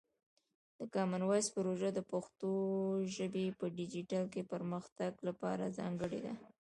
د کامن وایس پروژه د پښتو ژبې په ډیجیټل کې پرمختګ لپاره ځانګړې ده.